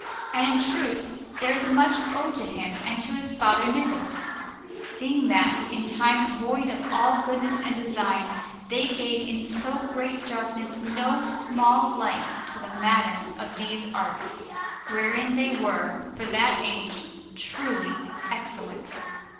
And in truth there is much owed to him and to his father Niccola, seeing that, in times void of all goodness of design, they gave in so great darkness no small light to the matters of these arts, wherein they were, for that age, truly excellent.